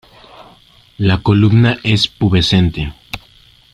La columna es pubescente.